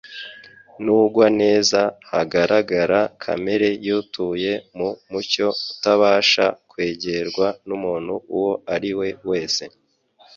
n'ugwaneza hagaragara kamere y'utuye mu mucyo utabasha kwegerwa n'umuntu uwo ari we wese.